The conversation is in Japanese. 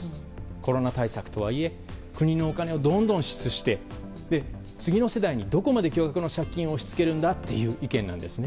コロナ対策とはいえ国のお金をどんどん支出して次の世代にどこまで巨額の借金を押し付けるんだという意見なんですね。